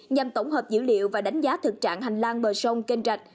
nhằm tổng hợp dữ liệu và đánh giá thực trạng hành lang bờ sông kênh rạch